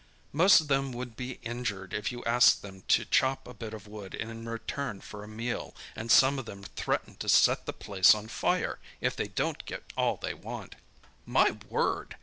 Most of them would be injured if you asked them to chop a bit of wood in return for a meal, and some of them threaten to set the place on fire if they don't get all they want." "My word!"